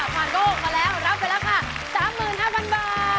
ผ่านโลกมาแล้วรับไปแล้วค่ะ๓๕๐๐๐บาท